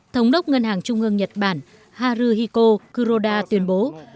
thống đốc ngân hàng trung ương nhật bản harihiko kuroda tuyên bố